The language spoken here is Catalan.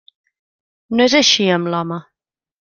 No és així amb l'home.